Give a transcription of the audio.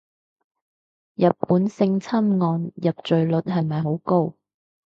日本性侵案入罪率係咪好高